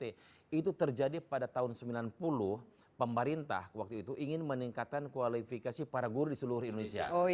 itu terjadi pada tahun sembilan puluh pemerintah waktu itu ingin meningkatkan kualifikasi para guru di seluruh indonesia